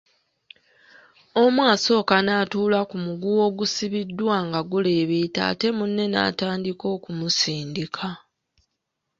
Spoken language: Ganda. Omu asooka n’atuula ku muguwa ogusibiddwa nga guleebeeta ate munne n’atandika okumusindika.